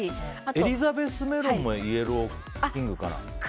エリザベスメロンもイエローキングから。